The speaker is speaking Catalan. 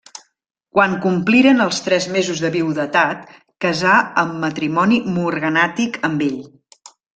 Quan compliren els tres mesos de viudetat, casà amb matrimoni morganàtic amb ell.